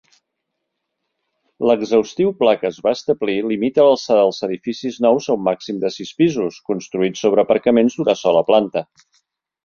L'exhaustiu pla que va es establir limita l'alçada dels edificis nous a un màxim de sis pisos, construïts sobre aparcaments d'una sola planta.